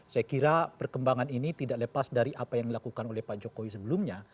saya kira perkembangan ini tidak lepas dari apa yang dilakukan oleh pak jokowi sebelumnya